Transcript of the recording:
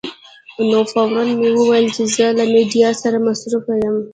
نو فوراً مې وویل چې زه له میډیا سره مصروف یم.